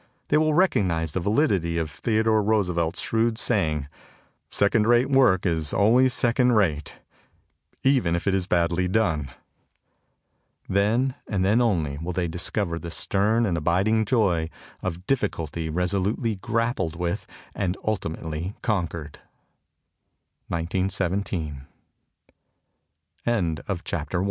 They will recognize the validity of Theodore Roosevelt's shrewd saying: " Second rate work is always second rate even if it is badly done." Then and then only will they dis cover the stern and abiding joy of difficulty reso lutely grappled with and ulti